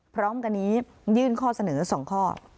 พร้อมกันนี้ยื่นข้อเสนอ๒ข้อ